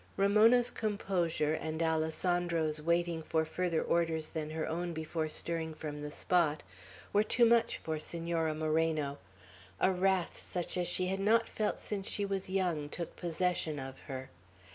Ramona's composure, and Alessandro's waiting for further orders than her own before stirring from the spot, were too much for Senora Moreno. A wrath, such as she had not felt since she was young, took possession of her.